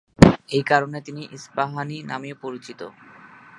এই কারণে তিনি ইস্পাহানি নামেও পরিচিত।